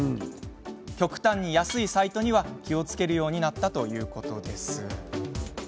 極端に安いサイトには気をつけるようになったということです。